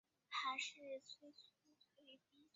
白拉姆汗的贡献于阿富汗和印度历史中备受肯定。